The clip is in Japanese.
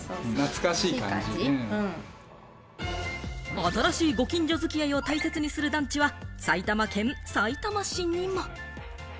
新しいご近所付き合いを大切にする団地は埼玉県さいたま市にも。